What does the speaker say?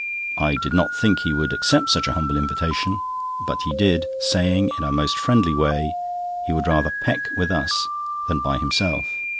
I did not think he would accept such a humble invitation; but he did, saying, in a most friendly way, he would rather "peck" with us than by himself.